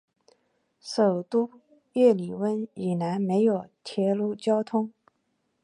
首都叶里温以南没有铁路交通。